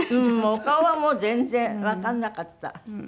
お顔はもう全然わかんなかった。